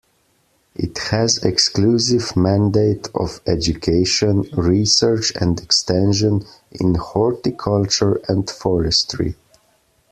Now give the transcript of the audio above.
It has exclusive mandate of education, research and extension in horticulture and forestry.